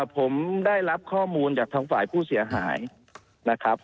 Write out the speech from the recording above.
ผมได้รับข้อมูลจากทางฝ่ายผู้เสียหายนะครับ